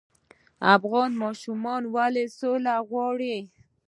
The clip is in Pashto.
افغان ماشومان ولې سوله غواړي؟